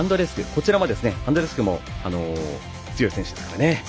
こちらも、アンドレスクも強い選手ですからね。